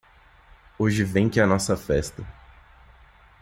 Hoje vem que a nossa festa.